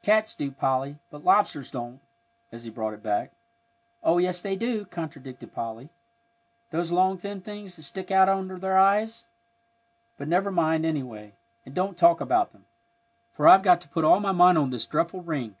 "Cats do, Polly, but lobsters don't," as he brought it back. "Oh, yes, they do," contradicted Polly; "those long thin things that stick out under their eyes. But never mind, anyway, and don't talk about them, for I've got to put all my mind on this dreadful ring."